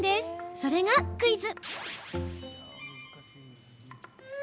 それがクイズ。